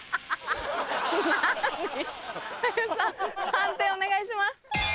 判定お願いします。